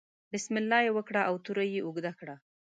بسم الله یې وکړه او توره یې اوږده کړه.